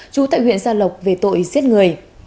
trú tại huyện gia lộc về tội giết người